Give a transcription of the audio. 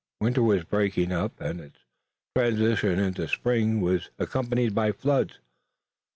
Winter was breaking up and its transition into spring was accompanied by floods.